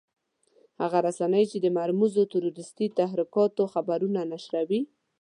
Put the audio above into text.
هغه رسنۍ چې د مرموزو تروريستي تحرکاتو خبرونه نشروي.